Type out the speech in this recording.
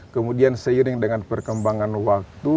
kemudian seiring dengan perkembangan waktu